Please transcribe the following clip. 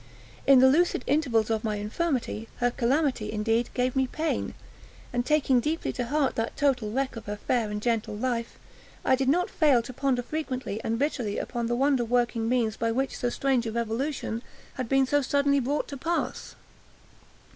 In the lucid intervals of my infirmity, her calamity, indeed, gave me pain, and, taking deeply to heart that total wreck of her fair and gentle life, I did not fail to ponder, frequently and bitterly, upon the wonder working means by which so strange a revolution had been so suddenly brought to pass.